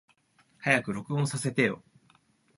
早く録音させてよ。